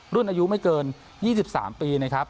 รุ่นอายุไม่เกิน๒๓ปีนะครับ